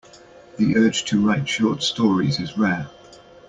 The urge to write short stories is rare.